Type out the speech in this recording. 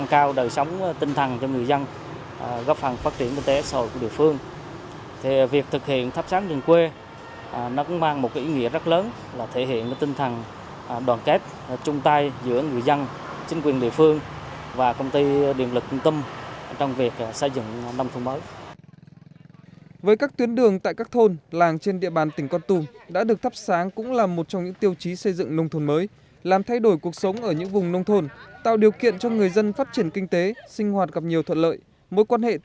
chương trình thắp sáng đường quê được công ty điện lực con tum lắp đặt với chiều dài hơn bốn một km